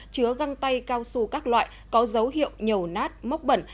chứa găng tay cao su các loại có dấu hiệu nhầu nát móc bẩn